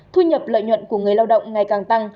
thu nhập lợi nhuận của người lao động ngày càng tăng